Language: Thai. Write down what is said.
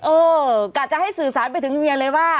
เออกะจะให้สื่อสารไปถึงเมียเลยว่า